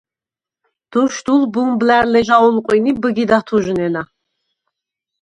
დოშდულ ბუმბლა̈რ ლეჟა ოლყვინ ი ბჷგიდ ათუჟნენა.